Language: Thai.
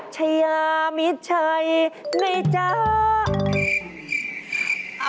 ช่ายามิชัยนี่จ้า